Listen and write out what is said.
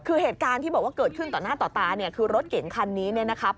คือเหตุการณ์ที่บอกว่าเกิดขึ้นต่อหน้าต่อตาเนี่ยคือรถเก่งคันนี้เนี่ยนะครับ